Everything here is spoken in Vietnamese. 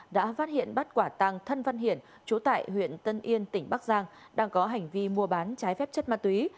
đã phát hiện bắt quả tăng thân văn hiển chú tại huyện tân yên tỉnh bắc giang đang có hành vi mua bán trái phép chất ma túy